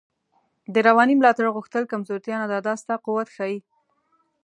د روانی ملاتړ غوښتل کمزوتیا نده، دا ستا قوت ښایی